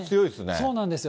そうなんですよ。